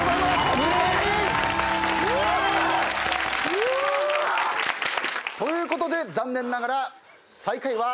うわ！ということで残念ながら。